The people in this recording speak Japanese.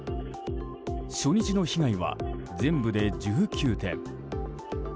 初日の被害は全部で１９点。